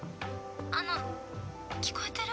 あの聞こえてる？